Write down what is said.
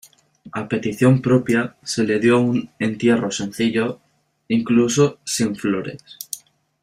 A petición propia, se le dio un entierro sencillo, incluso sin flores.